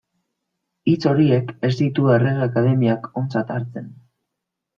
Hitz horiek ez ditu Errege Akademiak ontzat hartzen.